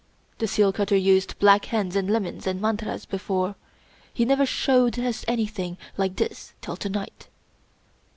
The seal cutter used black hens and lemons and mantras before. He never showed us anything like this till to night.